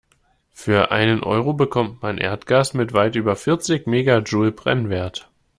Für einen Euro bekommt man Erdgas mit weit über vierzig Megajoule Brennwert.